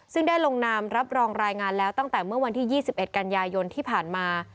ซึ่งได้ลงนามรับรองรายงานแล้วตั้งแต่เมื่อวันที่๒๑กันยายนที่ผ่านมา